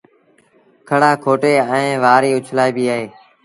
کڙآ ڪُٽي ائيٚݩ وآريٚ اُڇلآئيٚبيٚ اهي